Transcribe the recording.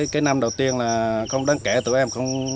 cái năm đầu tiên là không đáng kể tụi em không